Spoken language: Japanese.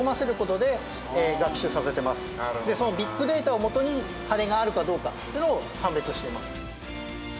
でそのビッグデータをもとに羽根があるかどうかっていうのを判別しています。